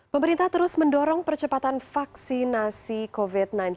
pemerintah terus mendorong percepatan vaksinasi covid sembilan belas